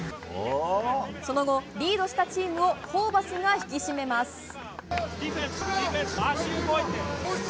その後、リードしたチームをホーバスが引き締めます。